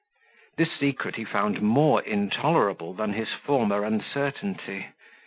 This secret he found more intolerable than his former uncertainty.